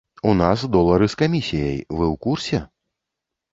У нас долары з камісіяй, вы ў курсе?